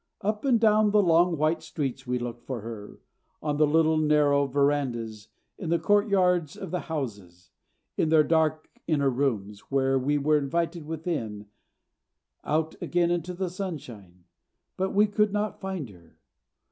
] Up and down the long white streets we looked for her; on the little narrow verandahs, in the courtyards of the houses, in their dark inner rooms when we were invited within, out again into the sunshine but we could not find her.